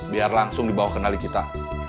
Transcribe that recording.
biar langsung dibawa kendali kita